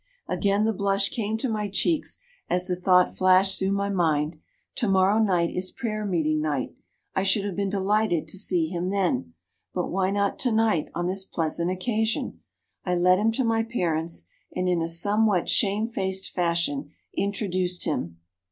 "Again the blush came to my cheeks as the thought flashed through my mind, Tomorrow night is prayer meeting night; I should have been delighted to see him then. But why not tonight, on this pleasant occasion? I led him to my parents, and, in a somewhat shamefaced fashion, introduced him.